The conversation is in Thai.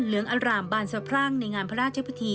เหลืองอร่ามบานสะพรั่งในงานพระราชพิธี